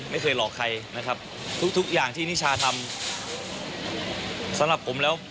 ไม่เคยหลอกใครนะครับทุกทุกอย่างที่นิชาทำสำหรับผมแล้ว